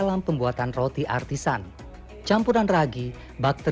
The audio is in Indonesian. laminate nanti akan tercampur dengan otomatis